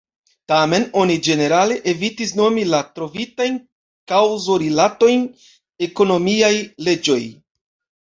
Tamen oni ĝenerale evitis nomi la trovitajn kaŭzorilatojn ekonomiaj leĝoj.